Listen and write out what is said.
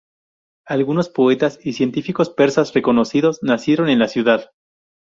Algunos poetas y científicos persas reconocidos nacieron en la ciudad.